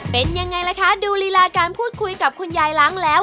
เป็นยังไงล่ะคะดูลีลาการพูดคุยกับคุณยายล้างแล้ว